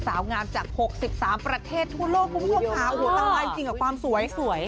สาวงามจาก๖๓ประเทศทั่วโลกมุ่งพาหัวตังวายจริงกับความสวย